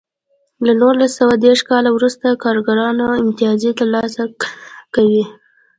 له نولس سوه دېرش کال وروسته کارګرانو امتیاز ترلاسه کوی.